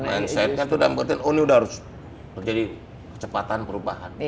mindsetnya itu udah berarti ini harus terjadi kecepatan perubahan